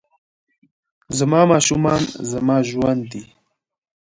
زما ماشومان زما ژوند دي